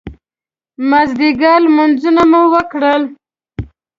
مازدیګر لمونځونه مو وکړل.